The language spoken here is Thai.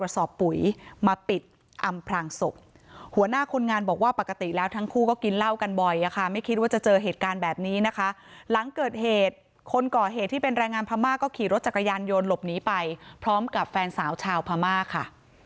หัวหน้าคนงานบอกว่าปกติแล้วทั้งคู่ก็กินเหล้ากันบ่อยอะค่ะไม่คิดว่าจะเจอเหตุการณ์แบบนี้นะคะหลังเกิดเหตุคนก่อเหตุที่เป็นแรงงานพม่าก็ขี่รถจักรยานยนต์หลบหนีไปพร้อมกับแฟนสาวชาวพม่าค่ะ